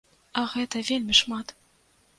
А гэта вельмі шмат!